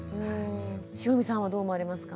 汐見さんはどう思われますか？